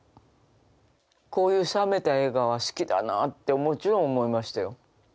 こういう冷めた映画は好きだなってもちろん思いましたよ。